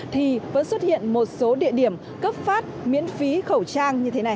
thì vẫn xuất hiện một số địa điểm cấp phát miễn phí khẩu trang như thế này